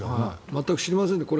全く知りませんでした。